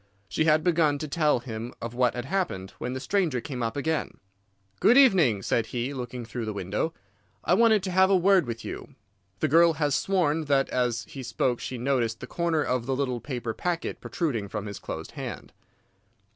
She had begun to tell him of what had happened, when the stranger came up again. "'Good evening,' said he, looking through the window. 'I wanted to have a word with you.' The girl has sworn that as he spoke she noticed the corner of the little paper packet protruding from his closed hand.